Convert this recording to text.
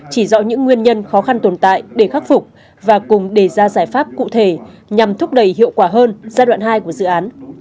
chỉ rõ những nguyên nhân khó khăn tồn tại để khắc phục và cùng đề ra giải pháp cụ thể nhằm thúc đẩy hiệu quả hơn giai đoạn hai của dự án